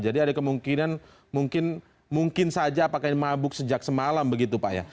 jadi ada kemungkinan mungkin mungkin saja apakah ini mabuk sejak semalam begitu pak ya